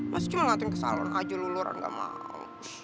masih cuma ngeliatin kesalahan aja luluran gak mau